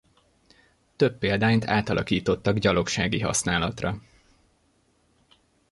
Több példányt átalakítottak gyalogsági használatra.